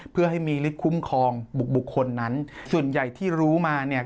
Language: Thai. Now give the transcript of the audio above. เพื่อให้มีฤทธิคุ้มครองบุคคลนั้นส่วนใหญ่ที่รู้มาเนี่ย